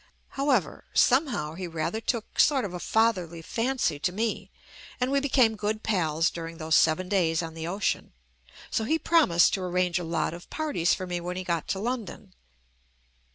However, somehow he rather took sort of a fatherly fancy to me, and we became good pals during those seven days on the ocean. So he promised to arrange a lot of parties for me when he got to London.